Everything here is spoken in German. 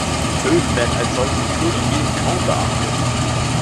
Böden werden als solche in Schulen und Medien kaum beachtet.